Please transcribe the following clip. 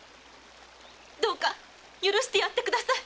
どうか許してやってください！